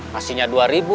kasihnya dua ribu